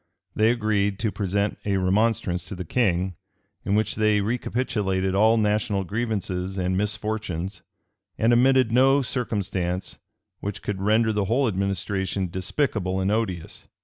They agreed to present a remonstrance to the king, in which they recapitulated all national grievances and misfortunes, and omitted no circumstance which could render the whole administration despicable and odious.